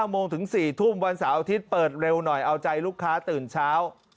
โมงถึง๔ทุ่มวันเสาร์อาทิตย์เปิดเร็วหน่อยเอาใจลูกค้าตื่นเช้า